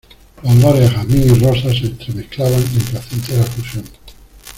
Los olores a jazmín y rosas se entremezclaban en placentera fusión